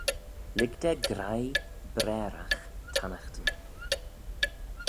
Lhig da graih braaragh tannaghtyn.